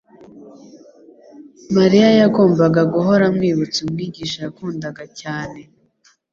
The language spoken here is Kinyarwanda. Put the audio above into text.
Mariya yagombaga guhora amwibutsa Umwigisha yakundaga cyane.